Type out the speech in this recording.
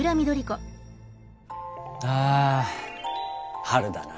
あ春だな。